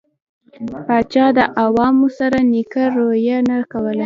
پاچا د عوامو سره نيکه رويه نه کوله.